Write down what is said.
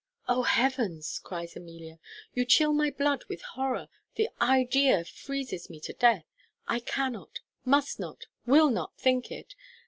"O Heavens!" cries Amelia, "you chill my blood with horror! the idea freezes me to death; I cannot, must not, will not think it.